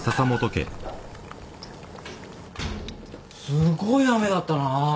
・・すごい雨だったな。